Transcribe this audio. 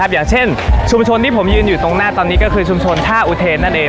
อย่างเช่นชุมชนที่ผมยืนอยู่ตรงหน้าตอนนี้ก็คือชุมชนท่าอุเทนนั่นเอง